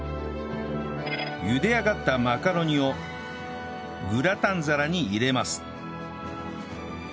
ゆで上がったマカロニをグラタン皿に入れます